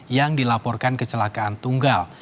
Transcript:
yang dilaporkan kecelakaan tunggal